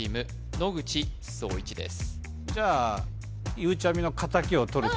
野口聡一です